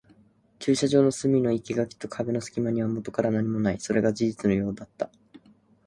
駐車場の隅の生垣と壁の隙間にはもとから何もない。それが事実のようだった。